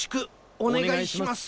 おねがいします。